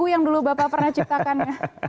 yang dulu bapak pernah ciptakan ya